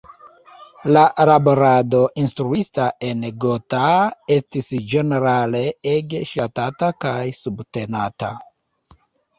La laborado instruista en Gotha estis ĝenerale ege ŝatata kaj subtenata.